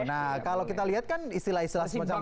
nah kalau kita lihat kan istilah istilah semacam itu